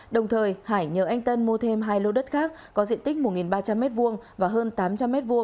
đồng thời hải nhờ anh tân mua thêm hai lô đất khác có diện tích một ba trăm linh m hai và hơn tám trăm linh m hai